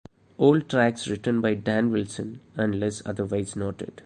All tracks written by Dan Wilson unless otherwise noted.